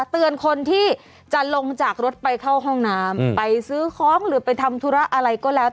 เตือนคนที่จะลงจากรถไปเข้าห้องน้ำไปซื้อของหรือไปทำธุระอะไรก็แล้ว